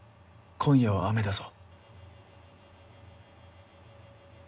今夜は雨だぞ。